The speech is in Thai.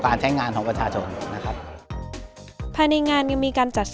การใช้งานของประชาชนนะครับ